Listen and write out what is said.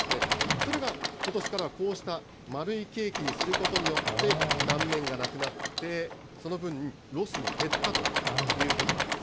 それがことしからはこうした丸いケーキにすることによって、断面がなくなって、その分、ロスも減ったということなんです。